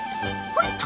ほいっと！